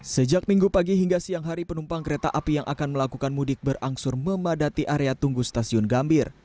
sejak minggu pagi hingga siang hari penumpang kereta api yang akan melakukan mudik berangsur memadati area tunggu stasiun gambir